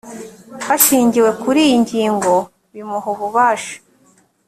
hashingiwe kuri iyi ngingo bimuha ububasha